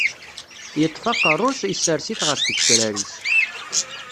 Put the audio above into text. Yeṭṭef aqeṛṛu-s, isers-it ɣef tgecrar-is.